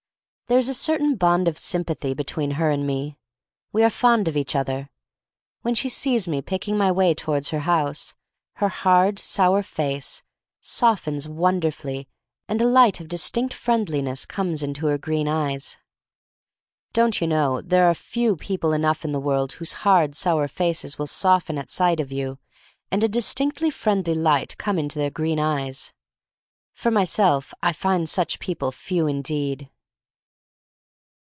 There is a certain bond of sympathy between her and me. We are fond of each other. When she sees me picking my way towards her house, her hard, sour face softens wonderfully and a light of dis tinct friendliness comes into her green eyes. Don't you know, there are few people enough in the world whose hard, sour faces will soften at sight of you and a distinctly friendly light come into their green eyes. For myself, I find such people few indeed.